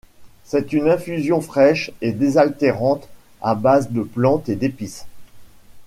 C'est une infusion fraîche et désaltérante à base de plantes et d'épices.